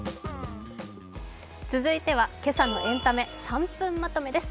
続いては今朝のエンタメ、３分まとめです。